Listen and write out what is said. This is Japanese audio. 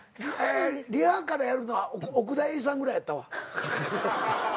リハからやるのは奥田瑛二さんぐらいやったわ。